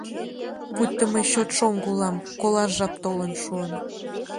Пуйто мый чот шоҥго улам, колаш жап толын шуын...